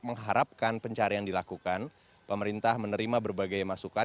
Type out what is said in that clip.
mengharapkan pencarian dilakukan pemerintah menerima berbagai masukan